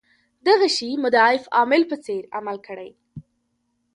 دغه شي مضاعف عامل په څېر عمل کړی.